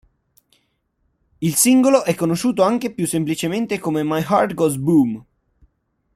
Il singolo è conosciuto anche più semplicemente come My Heart Goes Boom.